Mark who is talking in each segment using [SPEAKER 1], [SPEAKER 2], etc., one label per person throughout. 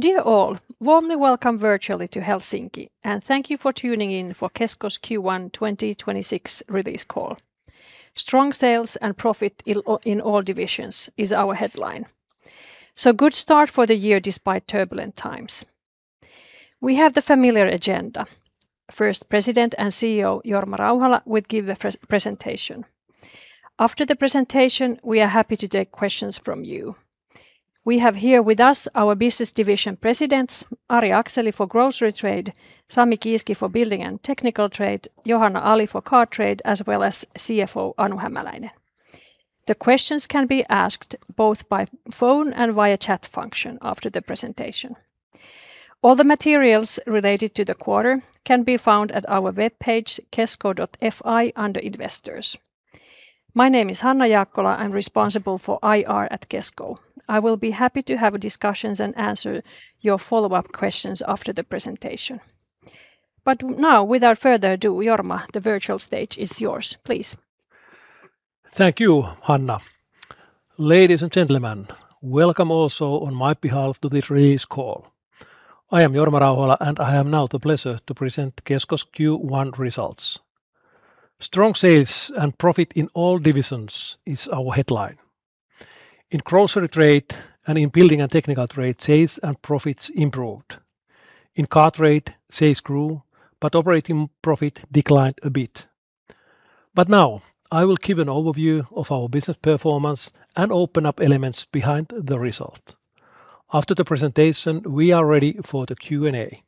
[SPEAKER 1] Dear all, warmly welcome virtually to Helsinki, and thank you for tuning in for Kesko's Q1 2026 release call. Strong sales and profit in all divisions is our headline. Good start for the year despite turbulent times. We have the familiar agenda. First, President and CEO Jorma Rauhala will give a presentation. After the presentation, we are happy to take questions from you. We have here with us our business division presidents, Ari Akseli for Grocery Trade, Sami Kiiski for Building and Technical Trade, Johanna Ali for Car Trade, as well as CFO Anu Hämäläinen. The questions can be asked both by phone and via chat function after the presentation. All the materials related to the quarter can be found at our webpage kesko.fi under Investors. My name is Hanna Jaakkola. I'm responsible for IR at Kesko. I will be happy to have discussions and answer your follow-up questions after the presentation. Now without further Jorma Rauhala, the virtual stage is yours. Please.
[SPEAKER 2] Thank you, Hanna. Ladies and gentlemen, welcome also on my behalf to this release call. I am Jorma Rauhala, and I have now the pleasure to present Kesko's Q1 results. Strong sales and profit in all divisions is our headline. In Grocery Trade and in Building and Technical Trade, sales and profits improved. In Car Trade, sales grew, but operating profit declined a bit. Now I will give an overview of our business performance and open up elements behind the result. After the presentation, we are ready for the Q&A.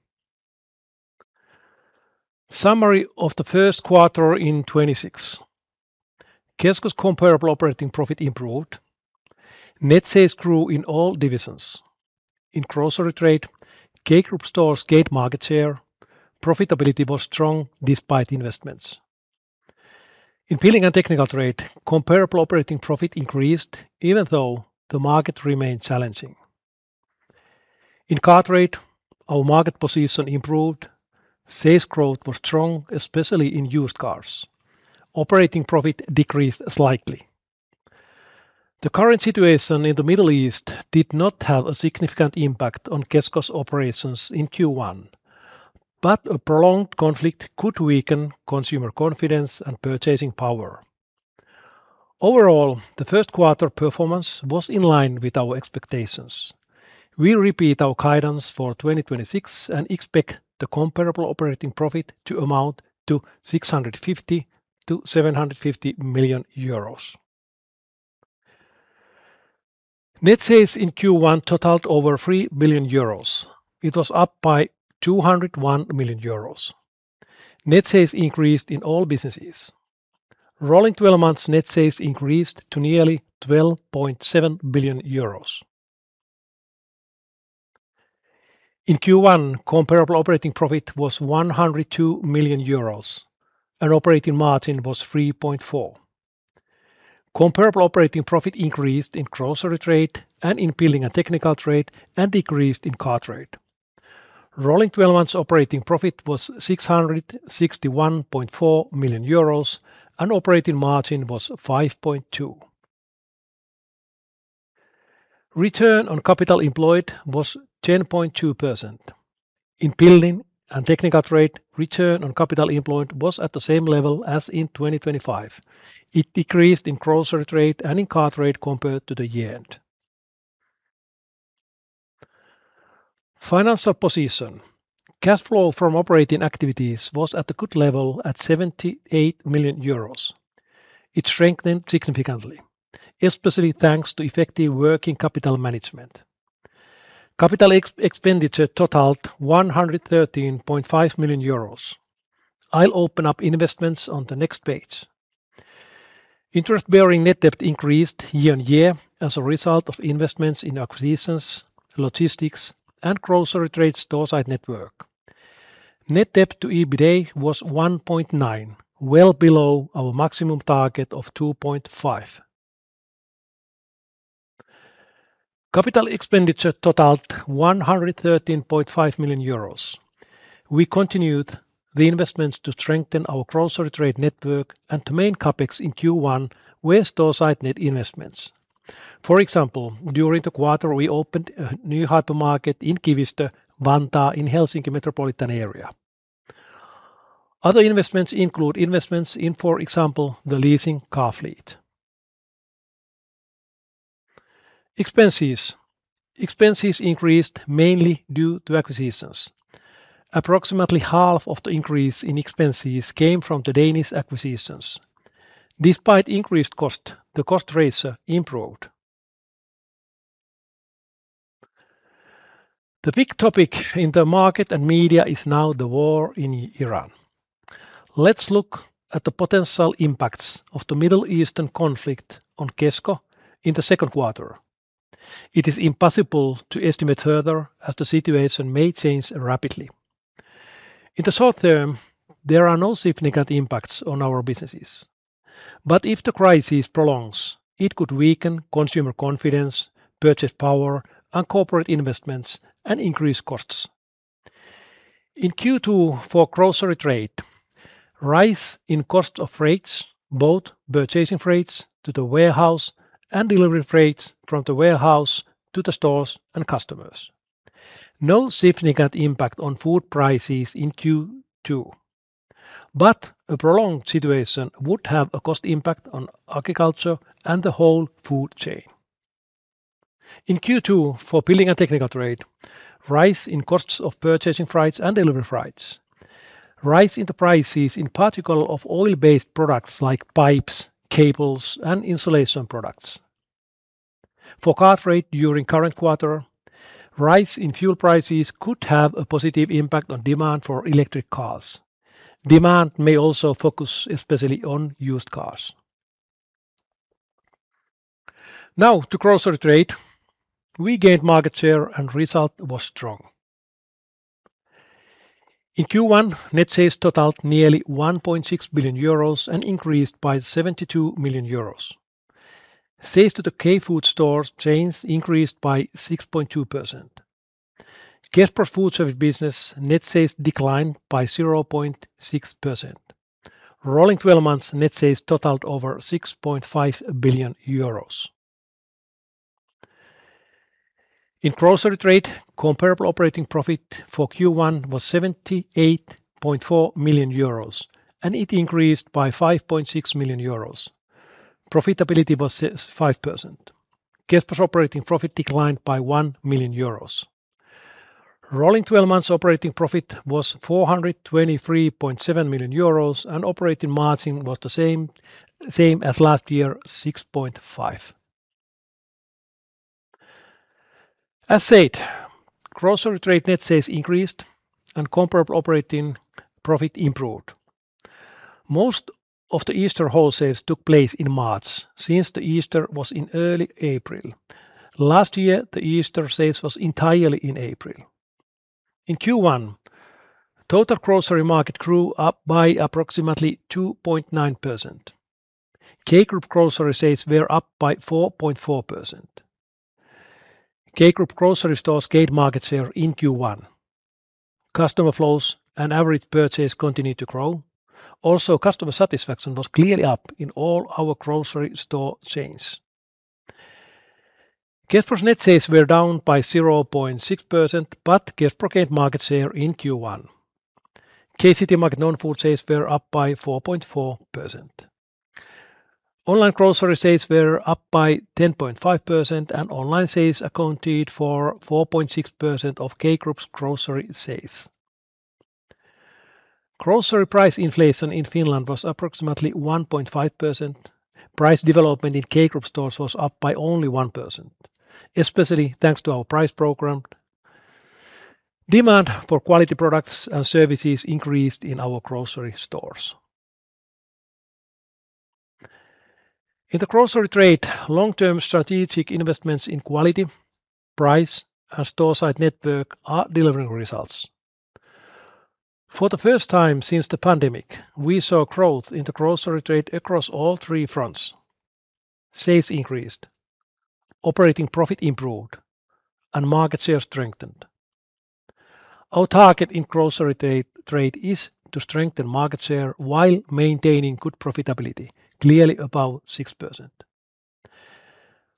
[SPEAKER 2] Summary of the first quarter in 2026. Kesko's comparable operating profit improved. Net sales grew in all divisions. In Grocery Trade, K Group stores gained market share. Profitability was strong despite investments. In Building and Technical Trade, comparable operating profit increased even though the market remained challenging. In Car Trade, our market position improved. Sales growth was strong, especially in used cars. Operating profit decreased slightly. The current situation in the Middle East did not have a significant impact on Kesko's operations in Q1, but a prolonged conflict could weaken consumer confidence and purchasing power. Overall, the first quarter performance was in line with our expectations. We repeat our guidance for 2026 and expect the comparable operating profit to amount to 650 million-750 million euros. Net sales in Q1 totaled over 3 billion euros. It was up by 201 million euros. Net sales increased in all businesses. Rolling 12 months net sales increased to nearly 12.7 billion euros. In Q1, comparable operating profit was 102 million euros, and operating margin was 3.4%. Comparable operating profit increased in Grocery Trade and in Building and Technical Trade and decreased in Car Trade. Rolling 12 months operating profit was 661.4 million euros. Operating margin was 5.2%. Return on Capital Employed was 10.2%. In Building and Technical Trade, Return on Capital Employed was at the same level as in 2025. It decreased in Grocery Trade and in Car Trade compared to the year-end. Financial position. Cash flow from operating activities was at a good level at 78 million euros. It strengthened significantly, especially thanks to effective working capital management. Capital expenditure totaled 113.5 million euros. I'll open up investments on the next page. Interest-bearing net debt increased year-on-year as a result of investments in acquisitions, logistics, and Grocery Trade store-side network. Net debt to EBITA was 1.9, well below our maximum target of 2.5. Capital expenditure totaled 113.5 million euros. We continued the investments to strengthen our Grocery Trade network. The main CapEx in Q1 were store-side net investments. For example, during the quarter, we opened a new hypermarket in Kivistö, Vantaa in Helsinki metropolitan area. Other investments include investments in, for example, the leasing car fleet. Expenses increased mainly due to acquisitions. Approximately half of the increase in expenses came from the Danish acquisitions. Despite increased cost, the cost ratio improved. The big topic in the market and media is now the war in Iran. Let's look at the potential impacts of the Middle Eastern conflict on Kesko in the second quarter. It is impossible to estimate further as the situation may change rapidly. In the short term, there are no significant impacts on our businesses. If the crisis prolongs, it could weaken consumer confidence, purchase power, and corporate investments and increase costs. In Q2 for grocery trade, rise in cost of freights, both purchasing freights to the warehouse and delivery freights from the warehouse to the stores and customers. No significant impact on food prices in Q2. A prolonged situation would have a cost impact on agriculture and the whole food chain. In Q2, for Building and Technical Trade, rise in costs of purchasing freights and delivery freights. Rise in the prices, in particular of oil-based products like pipes, cables, and insulation products. For car trade during current quarter, rise in fuel prices could have a positive impact on demand for electric cars. Demand may also focus especially on used cars. Now to grocery trade. We gained market share and result was strong. In Q1, net sales totaled nearly 1.6 billion euros and increased by 72 million euros. Sales to the K food stores chains increased by 6.2%. Kespro foodservice business net sales declined by 0.6%. Rolling 12 months net sales totaled over 6.5 billion euros. In grocery trade, comparable operating profit for Q1 was 78.4 million euros, and it increased by 5.6 million euros. Profitability was 5%. Kespro's operating profit declined by 1 million euros. Rolling 12 months operating profit was 423.7 million euros, and operating margin was the same as last year, 6.5%. As said, grocery trade net sales increased and comparable operating profit improved. Most of the Easter wholesale took place in March since the Easter was in early April. Last year, the Easter sales was entirely in April. In Q1, total grocery market grew up by approximately 2.9%. K Group grocery sales were up by 4.4%. K Group grocery stores gained market share in Q1. Customer flows and average purchase continued to grow. Also, customer satisfaction was clearly up in all our grocery store chains. Kespro's net sales were down by 0.6%, but Kespro gained market share in Q1. K-Citymarket non-food sales were up by 4.4%. Online grocery sales were up by 10.5%, and online sales accounted for 4.6% of K Group's grocery sales. Grocery price inflation in Finland was approximately 1.5%. Price development in K Group stores was up by only 1%, especially thanks to our price program. Demand for quality products and services increased in our grocery stores. In the grocery trade, long-term strategic investments in quality, price, and store-side network are delivering results. For the first time since the pandemic, we saw growth in the grocery trade across all three fronts. Sales increased, operating profit improved, and market share strengthened. Our target in grocery trade is to strengthen market share while maintaining good profitability, clearly above 6%.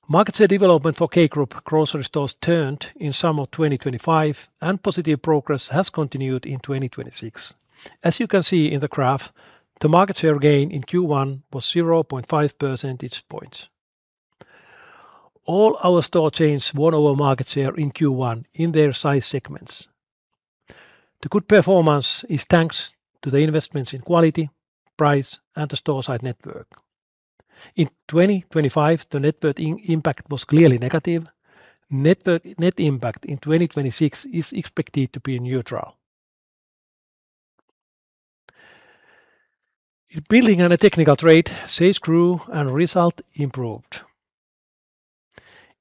[SPEAKER 2] Market share development for K Group grocery stores turned in summer 2025, and positive progress has continued in 2026. As you can see in the graph, the market share gain in Q1 was 0.5 percentage points. All our store chains won our market share in Q1 in their size segments. The good performance is thanks to the investments in quality, price, and the store-side network. In 2025, the net worth impact was clearly negative. Net impact in 2026 is expected to be neutral. In Building and Technical Trade, sales grew and result improved.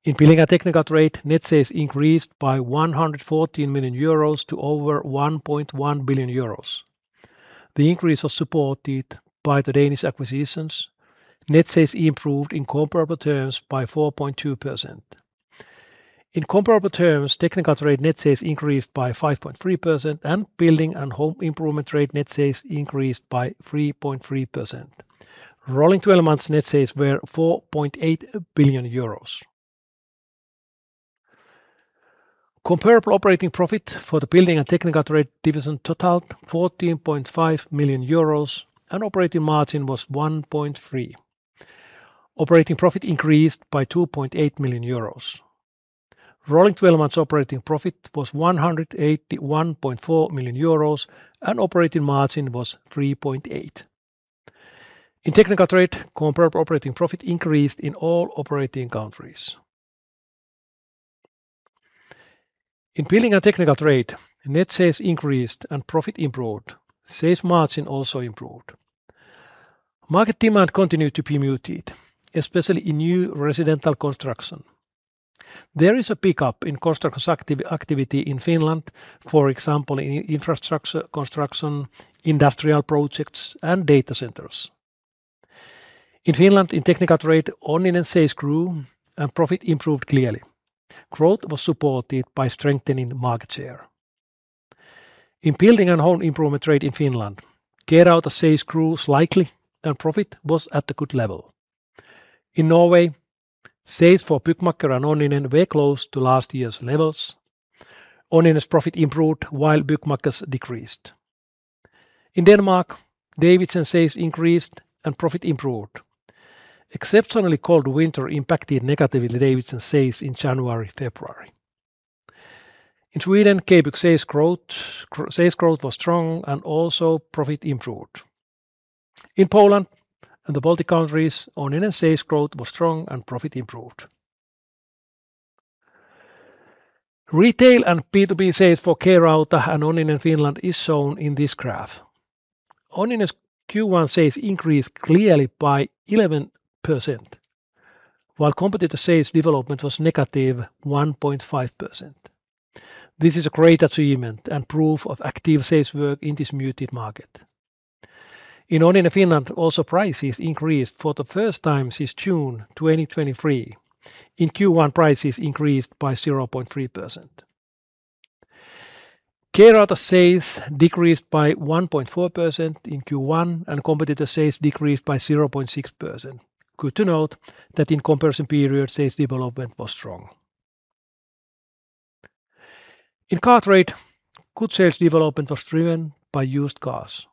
[SPEAKER 2] In Building and Technical Trade, net sales increased by 114 million euros to over 1.1 billion euros. The increase was supported by the Danish acquisitions. Net sales improved in comparable terms by 4.2%. In comparable terms, Technical Trade net sales increased by 5.3%, and Building and Home Improvement Trade net sales increased by 3.3%. Rolling 12 months net sales were 4.8 billion euros. Comparable operating profit for the Building and Technical Trade division totaled 14.5 million euros, and operating margin was 1.3%. Operating profit increased by 2.8 million euros. Rolling 12 months operating profit was 181.4 million euros, and operating margin was 3.8%. In Technical Trade, comparable operating profit increased in all operating countries. In Building and Technical Trade, net sales increased and profit improved. Sales margin also improved. Market demand continued to be muted, especially in new residential construction. There is a pickup in construction activity in Finland, for example, in infrastructure construction, industrial projects, and data centers. In Finland, in technical trade, Onninen sales grew and profit improved clearly. Growth was supported by strengthening market share. In building and home improvement trade in Finland, K-Rauta sales grew slightly and profit was at a good level. In Norway, sales for Byggmakker and Onninen were close to last year's levels. Onninen's profit improved while Byggmakker's decreased. In Denmark, Davidsen sales increased and profit improved. Exceptionally cold winter impacted negatively Davidsen sales in January, February. In Sweden, K-Bygg sales growth was strong and also profit improved. In Poland and the Baltic countries, Onninen sales growth was strong and profit improved. Retail and B2B sales for K-Rauta and Onninen Finland is shown in this graph. Onninen's Q1 sales increased clearly by 11%, while competitor sales development was negative 1.5%. This is a great achievement and proof of active sales work in this muted market. In Onninen Finland, also prices increased for the first time since June 2023. In Q1, prices increased by 0.3%. K-Rauta sales decreased by 1.4% in Q1, and competitor sales decreased by 0.6%. Good to note that in comparison period, sales development was strong. In car trade, good sales development was driven by used cars.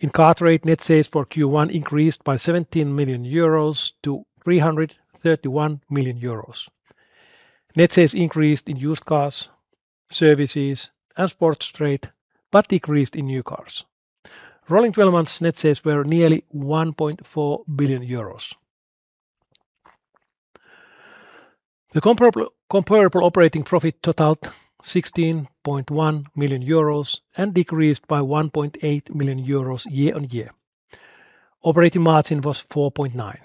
[SPEAKER 2] In car trade, net sales for Q1 increased by 17 million euros to 331 million euros. Net sales increased in used cars, services, and sports trade, but decreased in new cars. Rolling 12 months net sales were nearly 1.4 billion euros. The comparable operating profit totaled 16.1 million euros and decreased by 1.8 million euros year-on-year. Operating margin was 4.9%.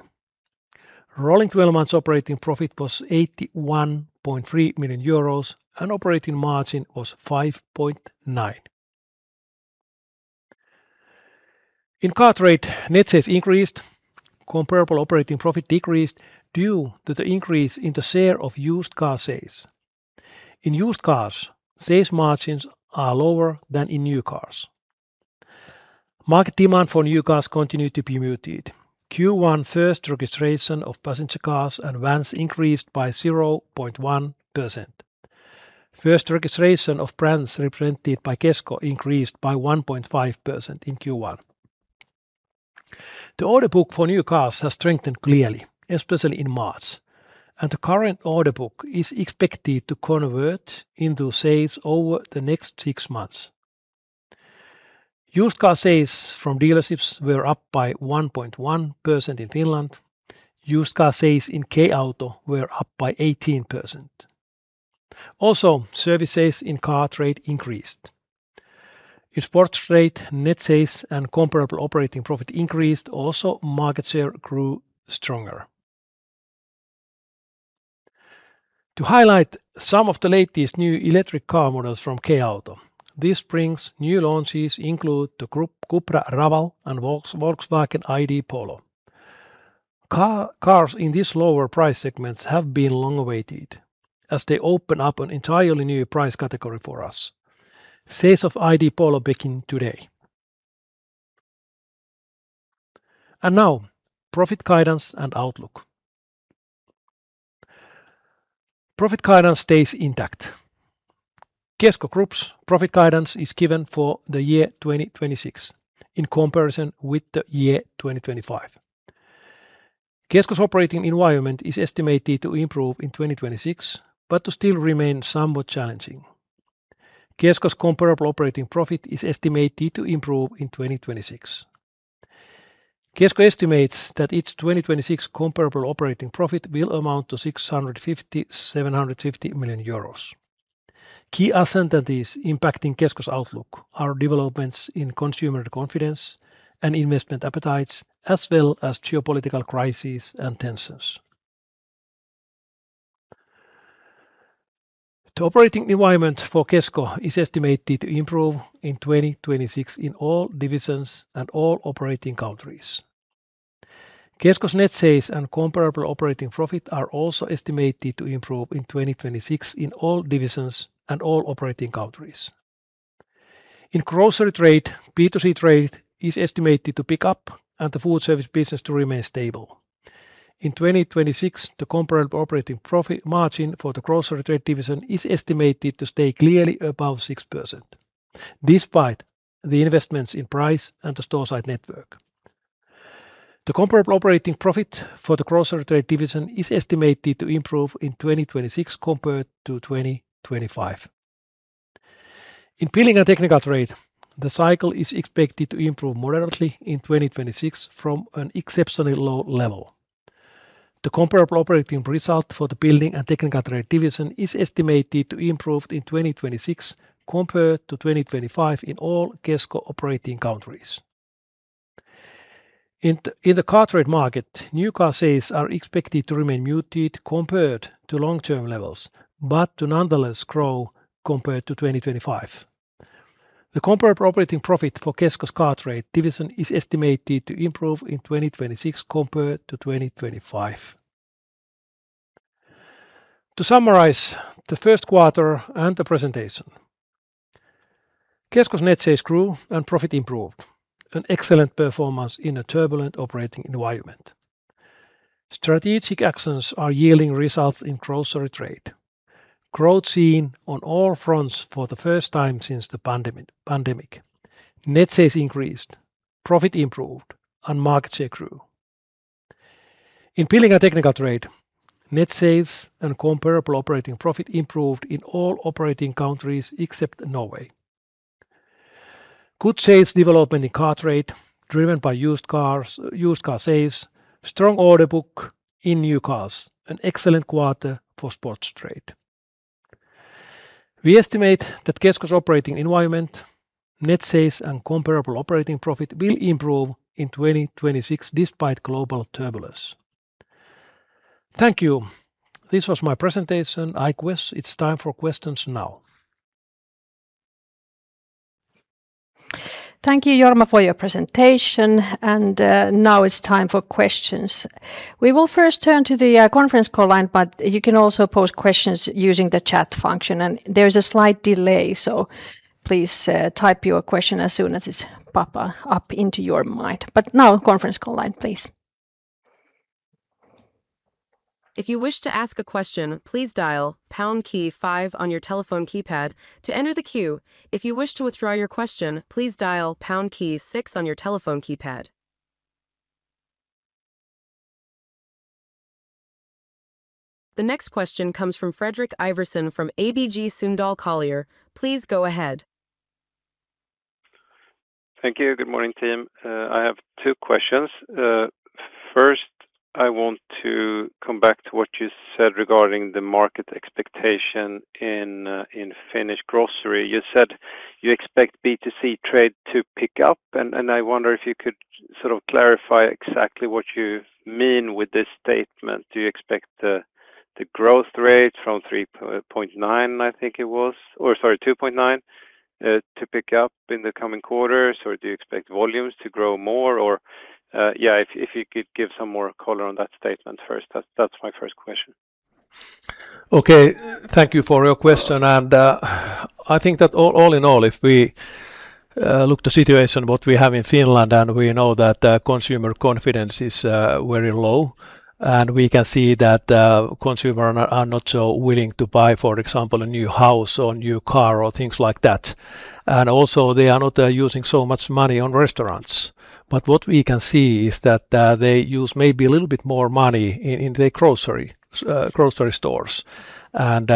[SPEAKER 2] Rolling 12 months operating profit was 81.3 million euros, and operating margin was 5.9%. In car trade, net sales increased, comparable operating profit decreased due to the increase in the share of used car sales. In used cars, sales margins are lower than in new cars. Market demand for new cars continued to be muted. Q1 first registration of passenger cars and vans increased by 0.1%. First registration of brands represented by Kesko increased by 1.5% in Q1. The order book for new cars has strengthened clearly, especially in March, and the current order book is expected to convert into sales over the next six months. Used car sales from dealerships were up by 1.1% in Finland. Used car sales in K-Auto were up by 18%. Service sales in car trade increased. In sports trade, net sales and comparable operating profit increased. Market share grew stronger. To highlight some of the latest new electric car models from K-Auto, this brings new launches include the Cupra Raval and Volkswagen ID. Polo. Cars in these lower price segments have been long awaited, as they open up an entirely new price category for us. Sales of ID. Polo begin today. Now, profit guidance and outlook. Profit guidance stays intact. Kesko's profit guidance is given for 2026 in comparison with 2025. Kesko's operating environment is estimated to improve in 2026, but to still remain somewhat challenging. Kesko's comparable operating profit is estimated to improve in 2026. Kesko estimates that its 2026 comparable operating profit will amount to 650 million-750 million euros. Key uncertainties impacting Kesko's outlook are developments in consumer confidence and investment appetites, as well as geopolitical crises and tensions. The operating environment for Kesko is estimated to improve in 2026 in all divisions and all operating countries. Kesko's net sales and comparable operating profit are also estimated to improve in 2026 in all divisions and all operating countries. In grocery trade, B2C trade is estimated to pick up and the food service business to remain stable. In 2026, the comparable operating profit margin for the grocery trade division is estimated to stay clearly above 6%, despite the investments in price and the store site network. The comparable operating profit for the grocery trade division is estimated to improve in 2026 compared to 2025. In Building and Technical Trade, the cycle is expected to improve moderately in 2026 from an exceptionally low level. The comparable operating result for the Building and Technical Trade division is estimated to improve in 2026 compared to 2025 in all Kesko operating countries. In the car trade market, new car sales are expected to remain muted compared to long-term levels, but to nonetheless grow compared to 2025. The comparable operating profit for Kesko's car trade division is estimated to improve in 2026 compared to 2025. To summarize the first quarter and the presentation, Kesko's net sales grew and profit improved, an excellent performance in a turbulent operating environment. Strategic actions are yielding results in grocery trade. Growth seen on all fronts for the first time since the pandemic. Net sales increased, profit improved, and market share grew. In Building and Technical Trade, net sales and comparable operating profit improved in all operating countries except Norway. Good sales development in car trade driven by used car sales. Strong order book in new cars. An excellent quarter for sports trade. We estimate that Kesko's operating environment, net sales, and comparable operating profit will improve in 2026 despite global turbulence. Thank you. This was my presentation. I guess it's time for questions now.
[SPEAKER 1] Thank you, Jorma, for your presentation, and now it's time for questions. We will first turn to the conference call line, but you can also pose questions using the chat function. There's a slight delay, so please, type your question as soon as it's pop up into your mind. Now conference call line, please.
[SPEAKER 3] The next question comes from Fredrik Ivarsson from ABG Sundal Collier. Please go ahead.
[SPEAKER 4] Thank you. Good morning, team. I have two questions. First, I want to come back to what you said regarding the market expectation in Finnish grocery. You said you expect B2C trade to pick up. I wonder if you could sort of clarify exactly what you mean with this statement. Do you expect the growth rate from 3.9%, I think it was, or sorry, 2.9%, to pick up in the coming quarters, or do you expect volumes to grow more? Yeah, if you could give some more color on that statement first. That's my first question.
[SPEAKER 2] Okay. Thank you for your question. I think that all in all, if we look the situation what we have in Finland, we know that the consumer confidence is very low, we can see that consumer are not so willing to buy, for example, a new house or a new car or things like that. Also they are not using so much money on restaurants. What we can see is that they use maybe a little bit more money in the grocery stores. Like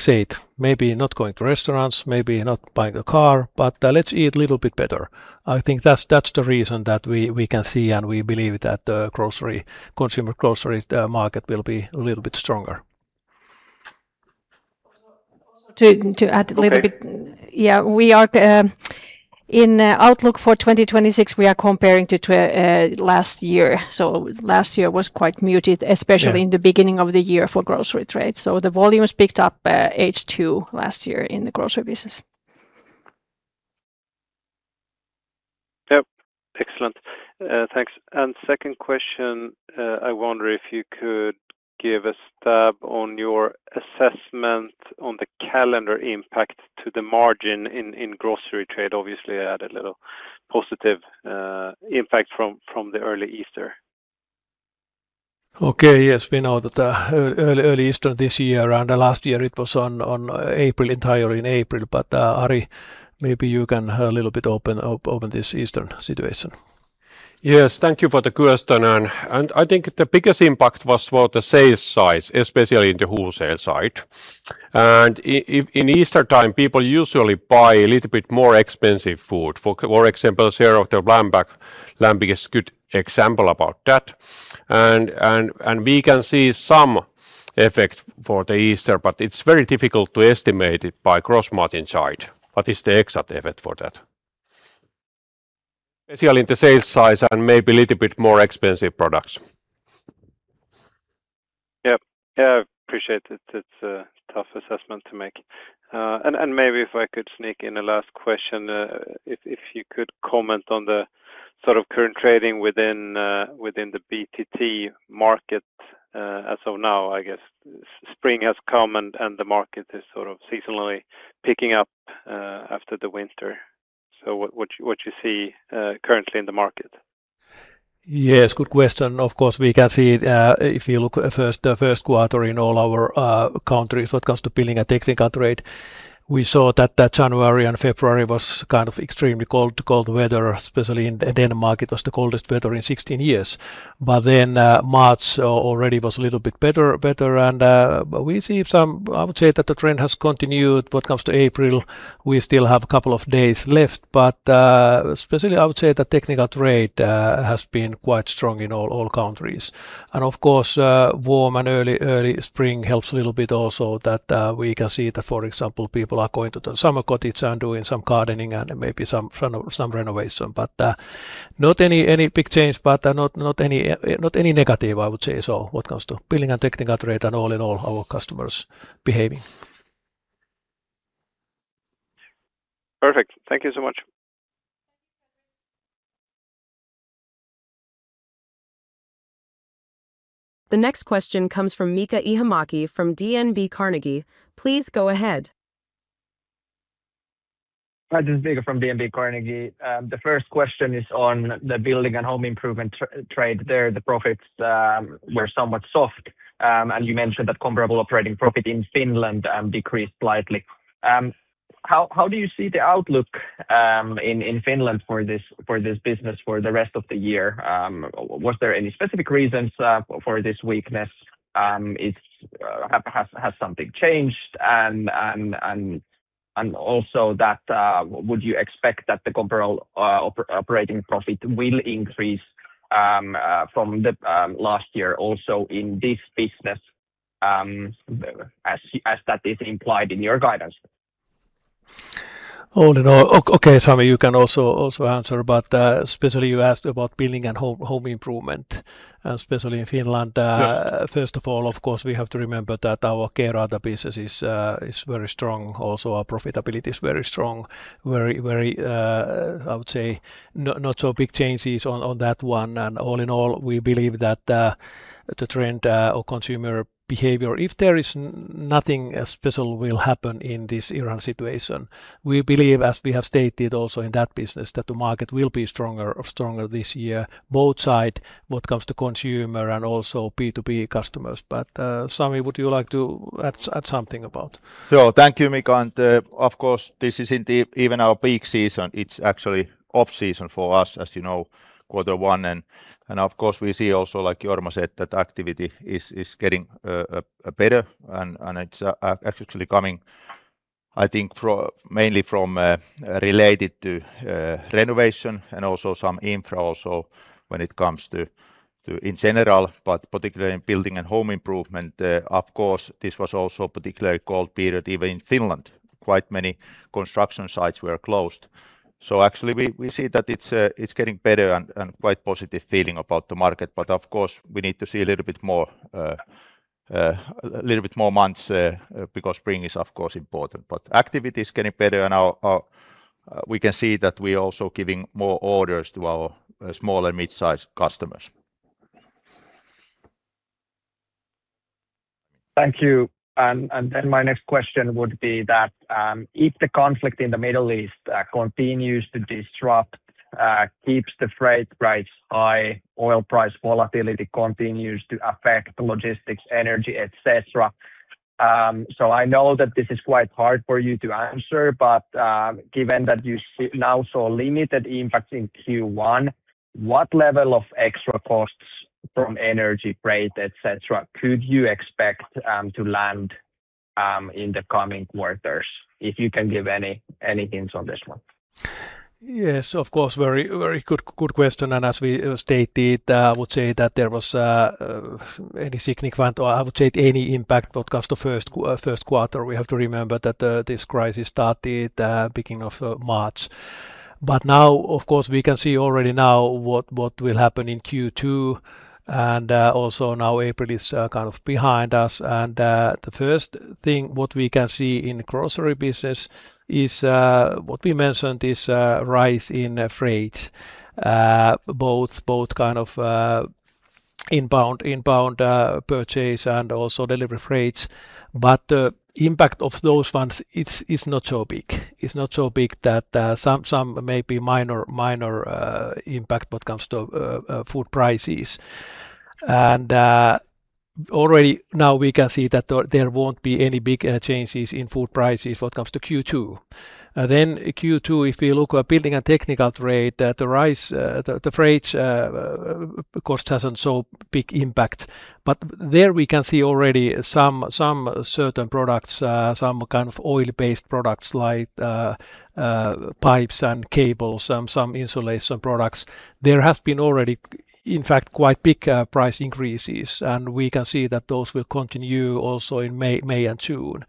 [SPEAKER 2] I said, maybe not going to restaurants, maybe not buying a car, but let's eat a little bit better. I think that's the reason that we can see and we believe that grocery, consumer grocery, market will be a little bit stronger.
[SPEAKER 1] To add a little bit.
[SPEAKER 2] Okay.
[SPEAKER 1] Yeah, we are in outlook for 2026, we are comparing to last year. Last year was quite muted.
[SPEAKER 2] Yeah
[SPEAKER 1] especially in the beginning of the year for grocery trade. The volumes picked up, H2 last year in the grocery business.
[SPEAKER 4] Yep. Excellent. Thanks. Second question, I wonder if you could give a stab on your assessment on the calendar impact to the margin in grocery trade. Obviously, it had a little positive impact from the early Easter.
[SPEAKER 2] Okay. Yes, we know that, early Easter this year and last year it was on April, entirely in April. Ari, maybe you can a little bit open up, open this Easter situation.
[SPEAKER 5] Yes. Thank you for the question. I think the biggest impact was for the sales side, especially in the wholesale side. In Easter time, people usually buy a little bit more expensive food. For example, share of the lamb back is good example about that. We can see some effect for the Easter, but it's very difficult to estimate it by cross margin side. What is the exact effect for that? Especially in the sales side and maybe a little bit more expensive products.
[SPEAKER 4] Yep. Yeah, I appreciate it. It's a tough assessment to make. Maybe if I could sneak in a last question, if you could comment on the sort of current trading within the BTT market as of now. I guess spring has come and the market is sort of seasonally picking up after the winter. What you see currently in the market?
[SPEAKER 2] Yes, good question. Of course, we can see, if you look at first quarter in all our countries when it comes to Building and Technical Trade, we saw that January and February was kind of extremely cold weather, especially in Denmark. It was the coldest weather in 16 years. March already was a little bit better. I would say that the trend has continued when it comes to April. We still have a couple of days left. Especially I would say the technical trade has been quite strong in all countries. Of course, warm and early spring helps a little bit also that we can see that, for example, people are going to the summer cottage and doing some gardening and maybe some renovation. Not any big change, not any negative, I would say, when it comes to Building and Technical Trade and all in all our customers behaving.
[SPEAKER 4] Perfect. Thank you so much.
[SPEAKER 3] The next question comes from Miika Ihamäki from DNB Carnegie. Please go ahead.
[SPEAKER 6] This is Miika Ihamäki from DNB Carnegie. The first question is on the building and home improvement trade there. The profits were somewhat soft. You mentioned that comparable operating profit in Finland decreased slightly. How do you see the outlook in Finland for this business for the rest of the year? Was there any specific reasons for this weakness? Has something changed? Would you expect that the comparable operating profit will increase from the last year also in this business as that is implied in your guidance?
[SPEAKER 2] All in all. Okay, Sami, you can also answer, but especially you asked about building and home improvement, especially in Finland. First of all, of course, we have to remember that our K-Rauta business is very strong. Also, our profitability is very strong. Very, I would say not so big changes on that one. All in all, we believe that the trend or consumer behavior, if there is nothing special will happen in this Iran situation. We believe, as we have stated also in that business, that the market will be stronger this year, both side, what comes to consumer and also B2B customers. Sami, would you like to add something about?
[SPEAKER 7] Sure. Thank you, Miika. Of course, this isn't even our peak season. It's actually off-season for us, as you know, quarter one. Of course, we see also, like Jorma said, that activity is getting better. It's actually coming I think mainly from related to renovation and also some infra also when it comes to in general, but particularly in building and home improvement. Of course, this was also a particularly cold period even in Finland. Quite many construction sites were closed. Actually, we see that it's getting better and quite positive feeling about the market. Of course, we need to see a little bit more months because spring is, of course, important. Activity is getting better and our. We can see that we're also giving more orders to our small and mid-sized customers.
[SPEAKER 6] Thank you. My next question would be that if the conflict in the Middle East continues to disrupt, keeps the freight price high, oil price volatility continues to affect logistics, energy, et cetera. I know that this is quite hard for you to answer, but given that you see now so limited impact in Q1, what level of extra costs from energy, freight, et cetera could you expect to land in the coming quarters? If you can give any hints on this one.
[SPEAKER 2] Yes, of course, very good question. As we stated, I would say that there was any significant or I would say any impact what comes to first quarter. We have to remember that this crisis started beginning of March. Now, of course, we can see already now what will happen in Q2, and also now April is kind of behind us. The first thing what we can see in grocery business is what we mentioned, this rise in freights, both kind of inbound purchase and also delivery freights. Impact of those ones, it's not so big. It's not so big that some may be minor impact what comes to food prices. Already now we can see that there won't be any big changes in food prices what comes to Q2. Q2, if we look at Building and Technical Trade, the freights cost hasn't so big impact. There we can see already some certain products, some kind of oil-based products like pipes and cables, some insulation products. There has been already, in fact, quite big price increases, and we can see that those will continue also in May and June.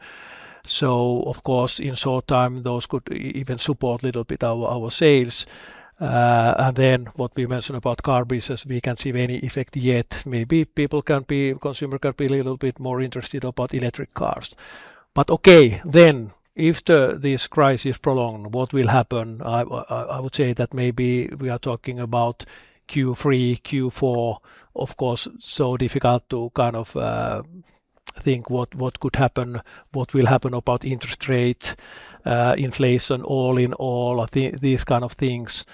[SPEAKER 2] Of course, in short time, those could even support a little bit our sales. What we mentioned about car business, we can't see any effect yet. Maybe consumer can be a little bit more interested about electric cars. If this crisis prolong, what will happen? I would say that maybe we are talking about Q3, Q4. Of course, so difficult to think what could happen, what will happen about interest rate, inflation, all in all, these kind of things.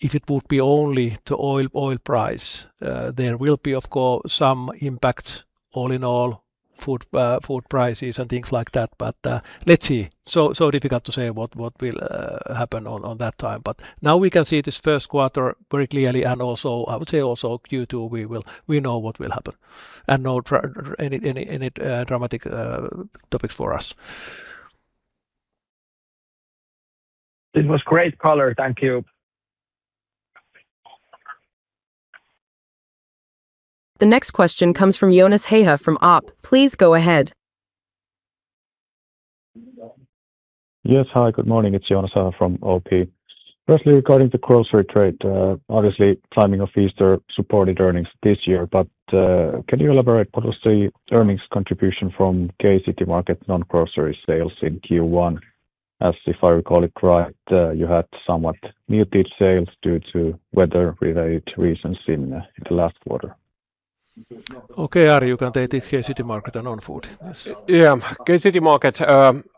[SPEAKER 2] If it would be only the oil price, there will be, of course, some impact all in all, food prices and things like that. Let's see. So difficult to say what will happen on that time. Now we can see this first quarter very clearly, and also, I would say also Q2, we know what will happen and no dramatic topics for us.
[SPEAKER 6] It was great color. Thank you.
[SPEAKER 3] The next question comes from Joonas Häyhä from OP. Please go ahead.
[SPEAKER 8] Yes. Hi, good morning. It's Joonas Häyhä from OP. Firstly, regarding the grocery trade, obviously timing of Easter supported earnings this year. Can you elaborate what was the earnings contribution from K-Citymarket non-grocery sales in Q1? If I recall it right, you had somewhat muted sales due to weather-related reasons in the last quarter.
[SPEAKER 2] Okay, Ari, you can take it. K-Citymarket and own food. Yes.
[SPEAKER 5] Yeah. K-Citymarket,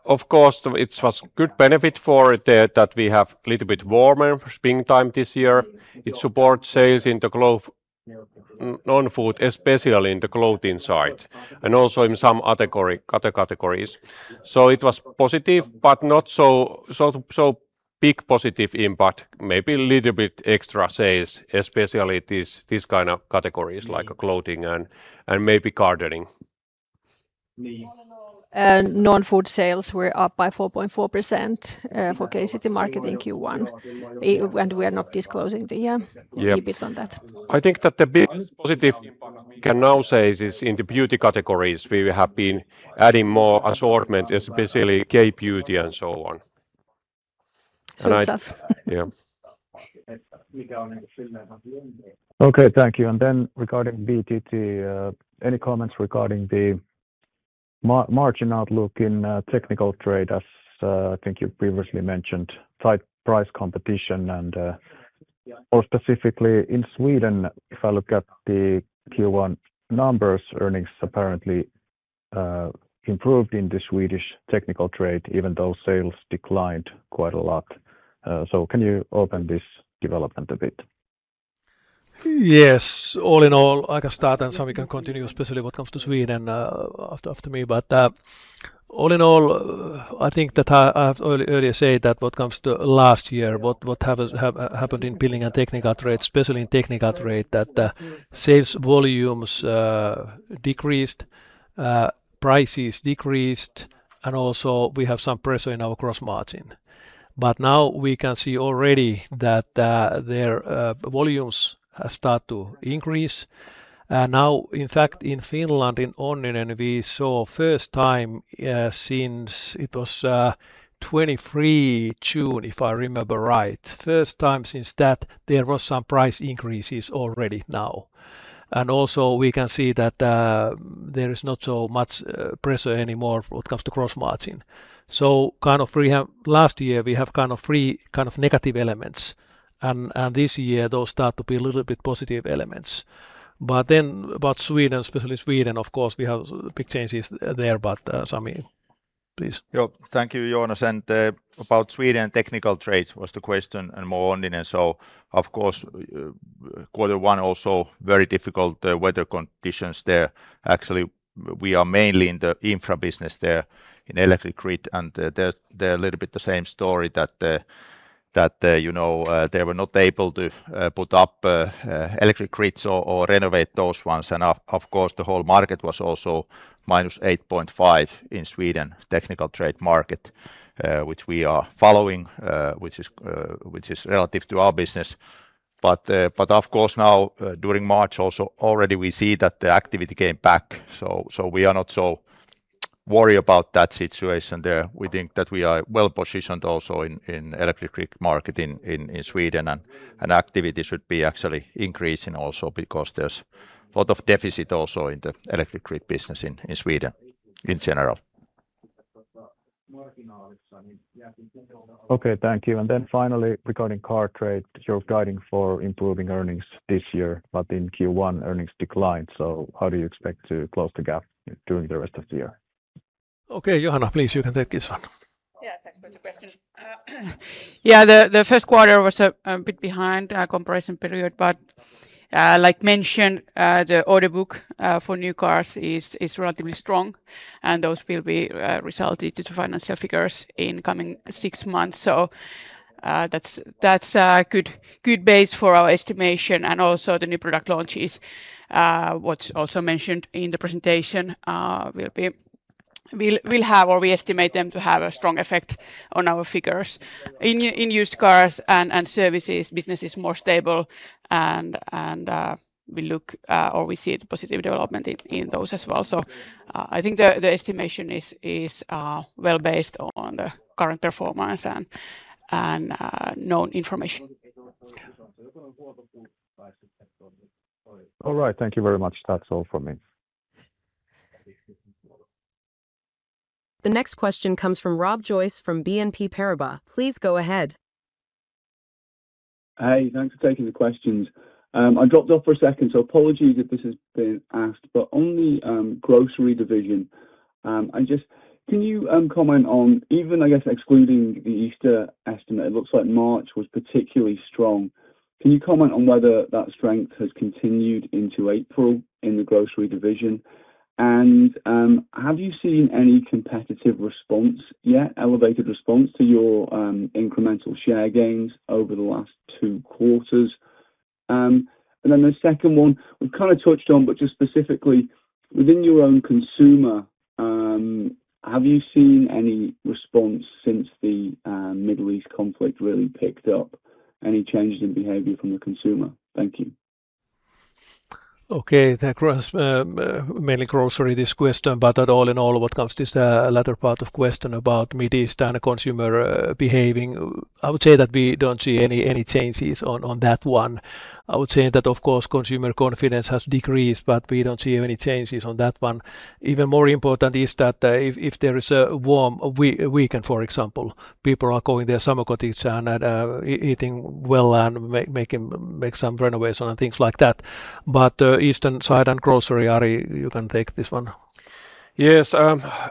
[SPEAKER 5] of course, it was good benefit for it that we have little bit warmer springtime this year. It supports sales in the Non-food, especially in the clothing side, and also in some other categories. It was positive, but not so big positive impact. Maybe a little bit extra sales, especially these kind of categories. Like clothing and maybe gardening.
[SPEAKER 1] Non-food sales were up by 4.4% for K-Citymarket in Q1. We are not disclosing the.
[SPEAKER 5] Yeah.
[SPEAKER 1] P&L bit on that.
[SPEAKER 5] I think that the big positive can now say is in the beauty categories. We have been adding more assortment, especially K-beauty and so on.
[SPEAKER 1] Switches.
[SPEAKER 5] Yeah.
[SPEAKER 8] Okay, thank you. Regarding BTT, any comments regarding the margin outlook in technical trade as I think you previously mentioned tight price competition and more specifically in Sweden, if I look at the Q1 numbers, earnings apparently improved in the Swedish technical trade even though sales declined quite a lot. Can you open this development a bit?
[SPEAKER 2] Yes. All in all, I can start and Sami can continue, especially when it comes to Sweden, after me. All in all, I think that I have earlier said that when it comes to last year, what happened in Building and Technical Trade, especially in Technical Trade, that sales volumes decreased, prices decreased, and also we have some pressure in our gross margin. Now we can see already that their volumes start to increase. Now, in fact, in Finland, in Onninen, we saw first time since it was 23 June, if I remember right, first time since that there was some price increases already now. Also we can see that there is not so much pressure anymore when it comes to gross margin. Kind of we have Last year, we have kind of three negative elements and this year those start to be a little bit positive elements. About Sweden, especially Sweden, of course, we have big changes there, but Sami, please.
[SPEAKER 7] Thank you, Joonas Häyhä. About Sweden technical trade was the question and more Onninen. Of course, Q1 also very difficult weather conditions there. Actually, we are mainly in the infra business there in electric grid, and they're a little bit the same story that, you know, they were not able to put up electric grids or renovate those ones. Of course, the whole market was also -8.5% in Sweden technical trade market, which we are following, which is relative to our business. Of course, now, during March also already we see that the activity came back. So, we are not so worried about that situation there. We think that we are well-positioned also in electric grid market in Sweden. Activity should be actually increasing also because there's a lot of deficit also in the electric grid business in Sweden in general.
[SPEAKER 8] Okay, thank you. Finally, regarding car trade, you're guiding for improving earnings this year. In Q1 earnings declined. How do you expect to close the gap during the rest of the year?
[SPEAKER 2] Okay, Johanna, please, you can take this one.
[SPEAKER 9] Yeah, thanks for the question. Yeah, the first quarter was a bit behind our comparison period, but like mentioned, the order book for new cars is relatively strong, and those will be resulted into financial figures in coming six months. That's a good base for our estimation. The new product launch is what's also mentioned in the presentation, will have, or we estimate them to have a strong effect on our figures. In used cars and services, business is more stable and we look or we see the positive development in those as well. I think the estimation is well based on the current performance and known information.
[SPEAKER 8] All right. Thank you very much. That's all from me.
[SPEAKER 3] The next question comes from Rob Joyce from BNP Paribas. Please go ahead.
[SPEAKER 10] Hey, thanks for taking the questions. I dropped off for a second, so apologies if this has been asked, but on the grocery division, can you comment on even, I guess, excluding the Easter estimate, it looks like March was particularly strong. Can you comment on whether that strength has continued into April in the grocery division? Have you seen any competitive response yet, elevated response to your incremental share gains over the last two quarters? The second one we've kind of touched on, but just specifically within your own consumer, have you seen any response since the Middle East conflict really picked up? Any changes in behavior from the consumer? Thank you.
[SPEAKER 2] Okay. That cross, mainly grocery this question, but that all in all what comes to this latter part of question about Mid-Eastern consumer behaving, I would say that we don't see any changes on that one. I would say that, of course, consumer confidence has decreased, but we don't see any changes on that one. Even more important is that, if there is a warm weekend, for example, people are going their summer cottages and eating well and making some renovations and things like that. Eastern side and grocery, Ari, you can take this one.
[SPEAKER 5] Yes.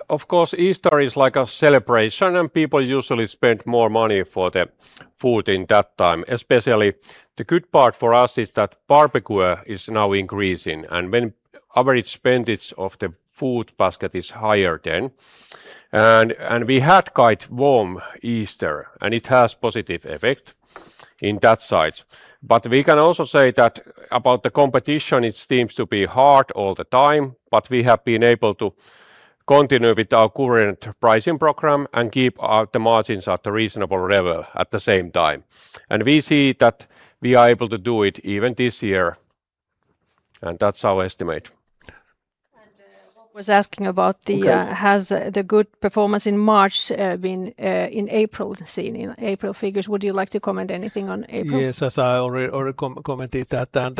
[SPEAKER 5] Of course, Easter is like a celebration, and people usually spend more money for the food in that time. Especially the good part for us is that barbecue is now increasing, and when average spendage of the food basket is higher then. We had quite warm Easter, and it has positive effect in that side. We can also say that about the competition, it seems to be hard all the time, but we have been able to continue with our current pricing program and keep the margins at a reasonable level at the same time. We see that we are able to do it even this year, and that's our estimate.
[SPEAKER 1] Was asking about. Has the good performance in March been in April, seen in April figures? Would you like to comment anything on April?
[SPEAKER 2] Yes, as I already commented that and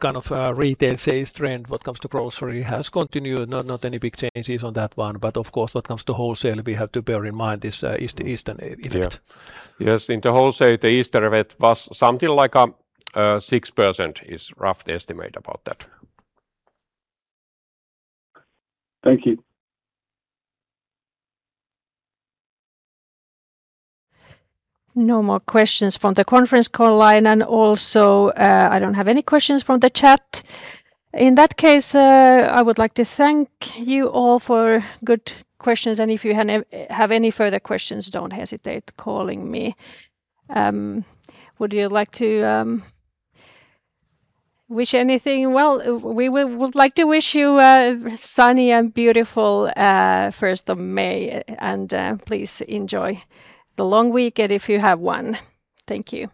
[SPEAKER 2] kind of retail sales trend when it comes to grocery has continued. Not any big changes on that one. Of course, when it comes to wholesale, we have to bear in mind this Eastern effect.
[SPEAKER 5] Yeah. Yes, in the wholesale, the Easter event was something like 6% is rough estimate about that.
[SPEAKER 10] Thank you.
[SPEAKER 1] No more questions from the conference call line. I don't have any questions from the chat. I would like to thank you all for good questions, and if you have any further questions, don't hesitate calling me. Would you like to wish anything? We would like to wish you a sunny and beautiful 1st of May, and please enjoy the long weekend if you have one. Thank you.